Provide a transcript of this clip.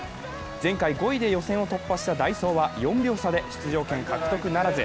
前回５位で予選を突破したダイソーは４秒差で出場権獲得ならず。